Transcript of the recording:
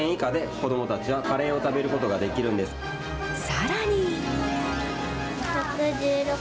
さらに。